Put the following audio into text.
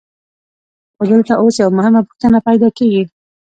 خو دلته اوس یوه مهمه پوښتنه پیدا کېږي